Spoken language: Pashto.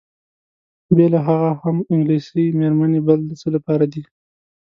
بېله هغه هم انګلیسۍ میرمنې بل د څه لپاره دي؟